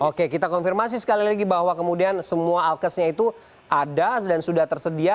oke kita konfirmasi sekali lagi bahwa kemudian semua alkesnya itu ada dan sudah tersedia